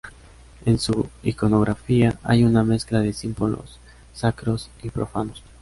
En su iconografía hay una mezcla de símbolos sacros y profanos.